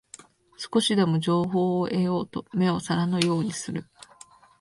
少しでも情報を得ようと目を皿のようにする